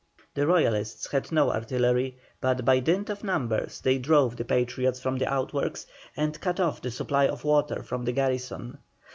The Royalists had no artillery, but by dint of numbers they drove the Patriots from the outworks, and cut off the supply of water from the garrison.